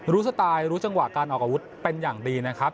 สไตล์รู้จังหวะการออกอาวุธเป็นอย่างดีนะครับ